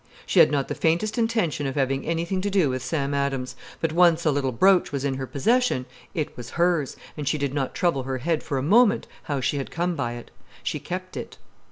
She had not the faintest intention of having anything to do with Sam Adams, but once a little brooch was in her possession, it was hers, and she did not trouble her head for a moment how she had come by it. She kept it.